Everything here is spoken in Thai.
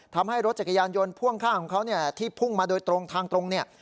ทำให้รถจักรยานยนต์พ่วงข้างของเขาเนี่ยที่พุ่งมาโดยตรงทางตรงเนี่ย